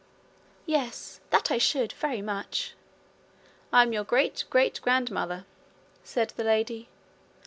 'Yes, that I should very much.' 'I'm your great great grandmother,' said the lady.